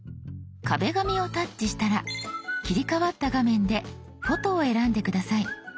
「壁紙」をタッチしたら切り替わった画面で「フォト」を選んで下さい。